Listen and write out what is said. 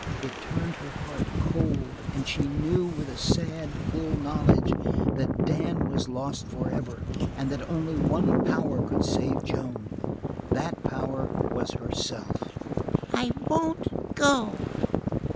It turned her heart cold, and she knew, with a sad, full knowledge that Dan was lost forever and that only one power could save Joan. That power was herself. "I won't go!"